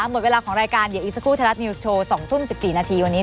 หมดเวลาของรายการเดี๋ยวอีกสักครู่ไทยรัฐนิวส์โชว์๒ทุ่ม๑๔นาทีวันนี้